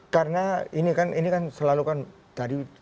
karena ini kan selalu kan tadi